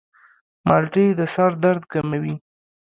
مالټې د سر درد کموي.